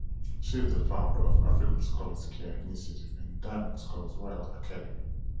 She is the founder of African Scholars Care Initiative and Diamond Scholars Royal Academy.